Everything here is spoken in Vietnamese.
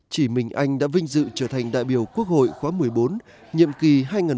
chỉ mình anh đã vinh dự trở thành đại biểu quốc hội khóa một mươi bốn nhiệm kỳ hai nghìn một mươi sáu hai nghìn hai mươi